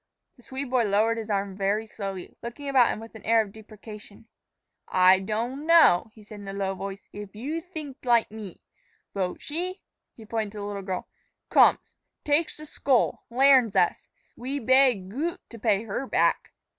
The Swede boy lowered his arm very slowly, looking about him with an air of deprecation. "Ay doan know," he said in a low voice, "eef yo theenk like me. Bote she" he pointed to the little girl "komes, takes th' skole, lairns us. We bay gote to pay hair back."